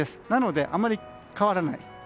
なので、あまり変わらない。